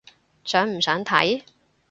想唔想睇？